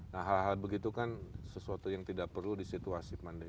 nah hal hal begitu kan sesuatu yang tidak perlu di situasi pandemi